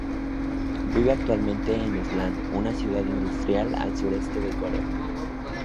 Vive actualmente en Ulsan, una ciudad industrial al sureste de Corea.